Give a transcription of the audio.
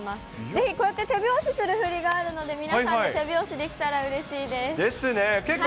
ぜひ、こうやって手拍子する振りがあるので、皆さんで手拍子できたらうれしいです。ですね。